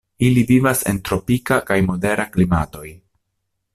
Ili vivas en tropika kaj modera klimatoj.